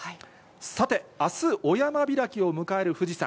さて、あす、お山開きを迎える富士山。